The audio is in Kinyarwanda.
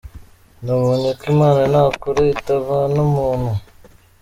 Nabonye ko Imana nta kure itavana umuntu.